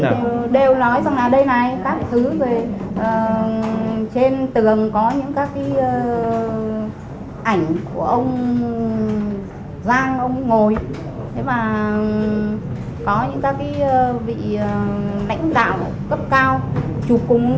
cái công ty đấy có nói công ty đấy là của bộ quốc phòng không